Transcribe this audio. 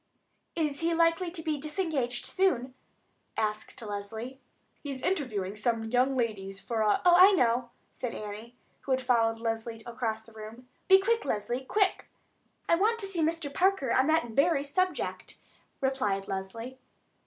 "Is he likely to be disengaged soon?" asked Leslie. "Within half an hour perhaps. He is interviewing some young ladies for a——" "Oh, I know," said Annie, who had followed Leslie across the room. "Be quick, Leslie, quick." "I want to see Mr. Parker on that very subject," replied Leslie.